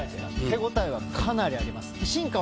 手応えはかなりあります。